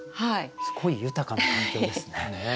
すごい豊かな環境ですね。